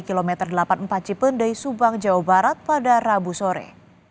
kilometer delapan puluh empat cipendei subang jawa barat pada rabu sore